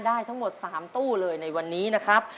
ได้ทั้งหมด๓ตู้เลยในวันนี้นะครับ